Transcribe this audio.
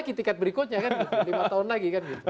tidak ada tiket berikutnya kan lima tahun lagi kan